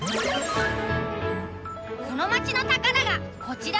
この町の宝がこちらの診療所。